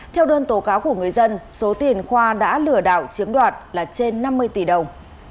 theo đơn tố cáo của người dân số tiền khoa đã lừa đảo chiếm đoạt là trên năm mươi tỷ đồng